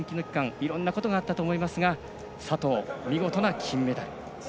いろんなことがあったと思いますが佐藤、見事な金メダル。